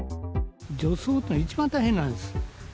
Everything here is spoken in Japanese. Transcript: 除草っていうの、一番大変なんです。